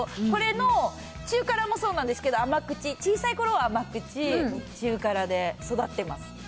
これの中辛もそうなんですけど、甘口、小さいころは甘口、中辛で育ってます。